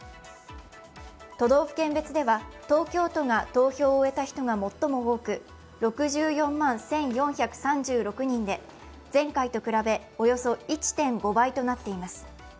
都道府県別では東京都が投票を終えた人が最も多く６４万１４３６人で、前回と比べおよそ１．５倍となっています。